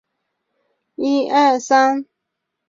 拟蚕豆岩黄耆为豆科岩黄耆属下的一个种。